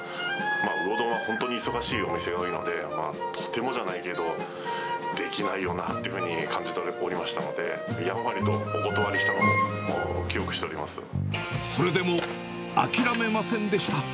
魚丼は本当に忙しいお店が多いので、とてもじゃないけど、できないよなっていうふうに感じておりましたので、やんわりとお断りしそれでも諦めませんでした。